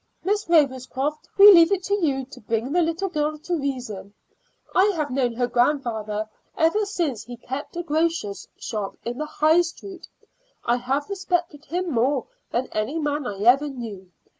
Miss Ravenscroft, we leave it to you to bring the little girl to reason. I have known her grandfather ever since he kept a grocer's shop in the High Street. I have respected him more than any man I ever knew.